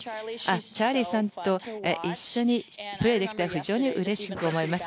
チャーリーさんと一緒にプレーできて非常にうれしく思います。